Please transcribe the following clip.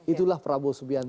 itulah prabowo subianto